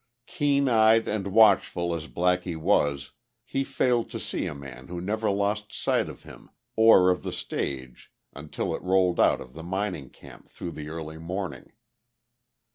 Keen eyed and watchful as Blackie was he failed to see a man who never lost sight of him or of the stage until it rolled out of the mining camp through the early morning.